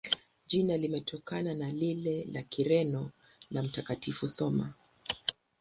Jina limetokana na lile la Kireno la Mtakatifu Thoma.